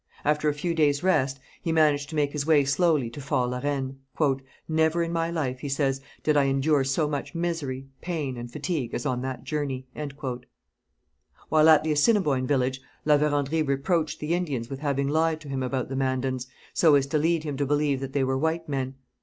After a few days' rest, he managed to make his way slowly to Fort La Reine. 'Never in my life,' he says, 'did I endure so much misery, pain, and fatigue as on that journey.' While at the Assiniboine village La Vérendrye reproached the Indians with having lied to him about the Mandans, so as to lead him to believe that they were white men.